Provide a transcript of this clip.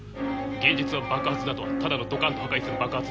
「芸術は爆発だ」とはただのドカンと破壊する爆発ではない。